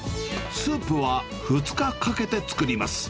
スープは、２日かけて作ります。